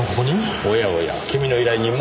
おやおや君の依頼人も？